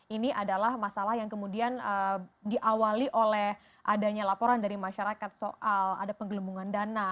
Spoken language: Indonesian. ini adalah masalah yang kemudian diawali oleh adanya laporan dari masyarakat soal ada penggelembungan dana